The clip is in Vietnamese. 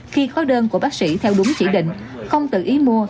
khi có đơn của bác sĩ theo đúng chỉ định không tự ý mua